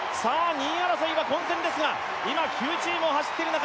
２位争いは混戦ですが今９チームを走っている中